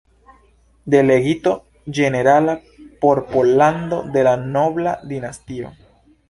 Delegito Ĝenerala por Pollando de la "Nobla Dinastio.